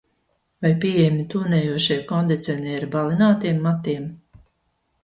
Vai pieejami tonējošie kondicionieri balinātiem matiem?